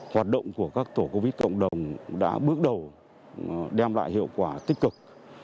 hoạt động của các tổ covid cộng đồng đã bước đầu đem lại hiệu quả tích cực